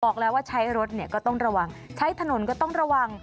บอกแล้วว่าใช้รถเนี่ยก็ต้องระวังใช้ถนนก็ต้องระวัง